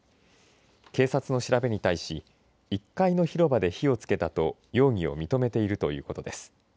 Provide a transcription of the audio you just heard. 警察の調べに対し１階の広場で火をつけたと容疑を認めているということです。